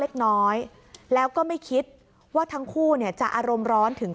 เล็กน้อยแล้วก็ไม่คิดว่าทั้งคู่เนี่ยจะอารมณ์ร้อนถึง